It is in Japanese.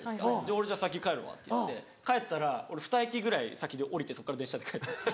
俺じゃあ先帰るわって言って帰ったら俺２駅ぐらい先で降りてそっから電車で帰ってます。